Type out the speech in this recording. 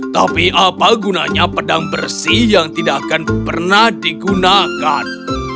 tapi apa gunanya pedang bersih yang tidak akan pernah digunakan